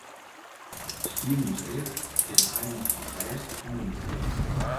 Skiermûntseach is in eilân fan rêst en rûmte.